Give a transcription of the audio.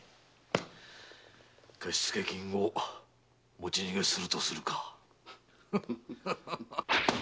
貸付金を持ち逃げするとするか。